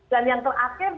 dan yang terakhir